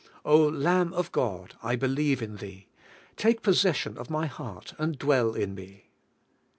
O Lamb of God, I believe in Thee; take possession of my heart, and dwell in me."